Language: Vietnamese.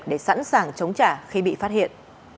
để sẵn sàng chống trả khi bị phát hiện